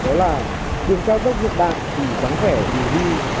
đó là đường cao dốc dược đạn thì chẳng rẻ gì đi